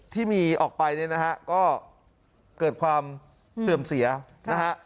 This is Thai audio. ที่มีออกไปเนี่ยนะฮะก็เกิดความเสื่อมเสียนะฮะ